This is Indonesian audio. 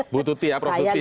blututi ya prof blututi ya